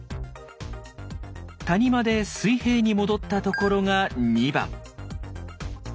谷間で水平に戻ったところが２番。